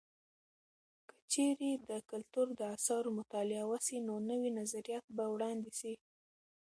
که چیرې د کلتور د اثارو مطالعه وسي، نو نوي نظریات به وړاندې سي.